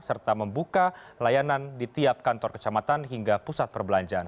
serta membuka layanan di tiap kantor kecamatan hingga pusat perbelanjaan